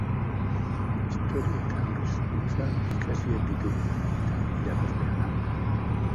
Historia eta haur hezkuntza ikasiak ditu eta irakaslea da.